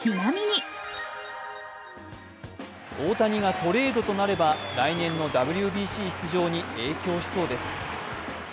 大谷がトレードとなれば来年のＷＢＣ出場に影響しそうです。